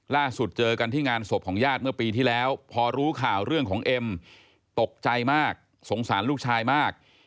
เจอกันที่งานศพของญาติเมื่อปีที่แล้วพอรู้ข่าวเรื่องของเอ็มตกใจมากสงสารลูกชายมาก